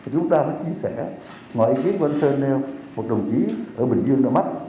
chúng ta phải chia sẻ mọi ý kiến của anh sơn nêu một đồng chí ở bình dương đã mắc